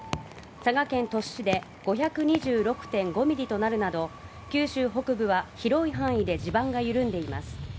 佐賀県鳥栖市で５２６．５ミリとなるなど、九州北部は広い範囲で地盤が緩んでいます。